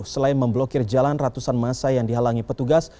selain memblokir jalan ratusan masa yang dihalangi petugas